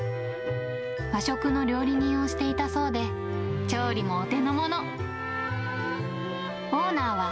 和食の料理人をしていたそうで、調理もお手のもの。